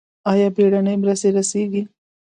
آیا بیړنۍ مرستې رسیږي؟